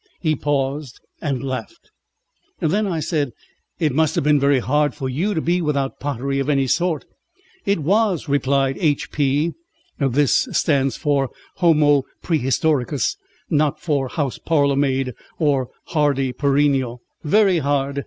He paused and laughed. Then I said: "It must have been very hard for you to be without pottery of any sort." "It was," replied H. P. (this stands for Homo Præhistoricus, not for House Parlourmaid or Hardy Perennial), "very hard.